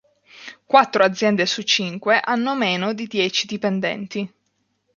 Quattro aziende su cinque hanno meno di dieci dipendenti.